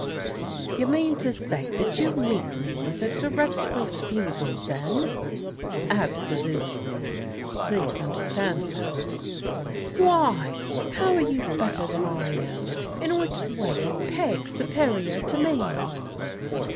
" You mean to say that you meet me with a direct re fusal, then ?"" Absolutely. Please understand that/* ^'Why? How are you better than I am? In which way is Peg superior to me